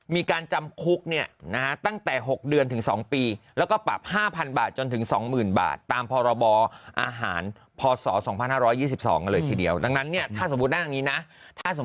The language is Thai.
มีการจำคุกเนี่ยนะตั้งแต่หกเดือนถึงสองปีแล้วก็ปรับห้าพันบาทจนถึงสองหมื่นบาท